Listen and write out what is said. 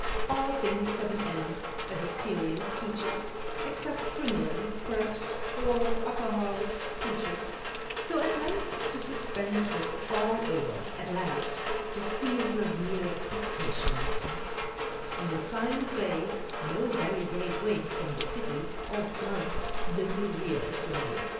All things have an end, as experience teaches (Except crinoline, p'raps, or Upper House speeches); So at length the suspense was all over at last The season of mere expectation was past, And in Simon's Bay, No very great way From the city, all snug, the Euryalus lay.